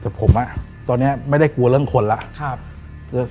แต่ผมตอนนี้ไม่ได้กลัวเรื่องคนแล้ว